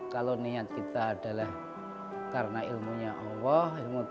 kalau niat kita adalah karena ilmunya allah ilmu tuhan yang ma'isah